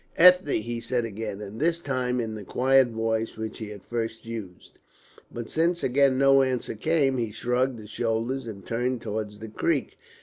"Ethne!" he said again, and this time in the quiet voice which he had first used. But since again no answer came, he shrugged his shoulders and turned towards the creek.